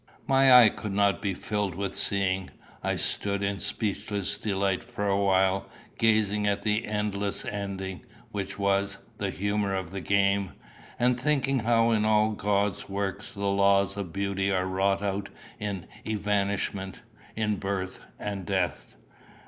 My eye could not be filled with seeing. I stood in speechless delight for a while, gazing at the "endless ending" which was "the humour of the game," and thinking how in all God's works the laws of beauty are wrought out in evanishment, in birth and death.